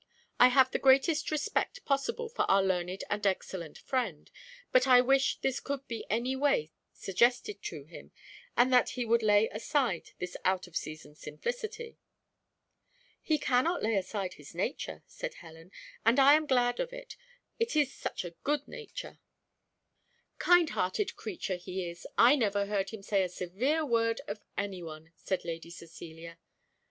I have the greatest respect possible for our learned and excellent friend, but I wish this could be any way suggested to him, and that he would lay aside this out of season simplicity." "He cannot lay aside his nature," said Helen, "and I am glad of it, it is such a good nature." "Kind hearted creature he is, I never heard him say a severe word of any one," said Lady Cecilia.